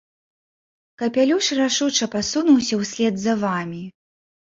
Капялюш рашуча пасунуўся ўслед за вамі.